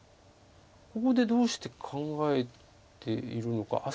ここでどうして考えているのか。